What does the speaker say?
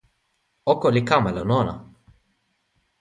oko li kama lon ona!